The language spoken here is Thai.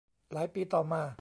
หลายปีต่อมา